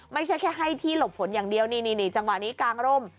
ไม่ใช่แค่ให้ที่หลบฝนอย่างเดียวนี่จังหวะนี้กางร่ม